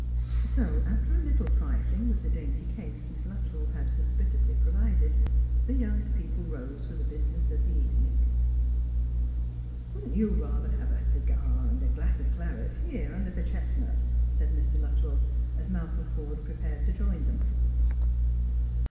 So, after a Httle *trifling with the dainty cates Miss Luttrell had hospitably provided, the young people rose for the business of the evening. " Wouldn't you rather have a cigar and a glass of claret here, under the chestnut?" said Mr. Luttrell, as Malcolm Fortfe prepared to join them.